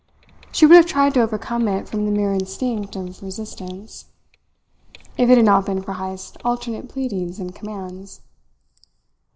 She would have tried to overcome it from the mere instinct of resistance, if it had not been for Heyst's alternate pleadings and commands.